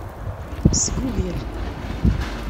Sgugel.